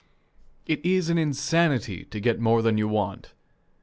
It is an insanity to get more than you want.